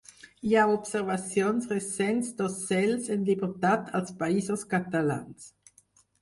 Hi ha observacions recents d'ocells en llibertat als Països Catalans.